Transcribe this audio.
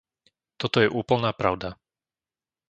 Toto je úplná pravda.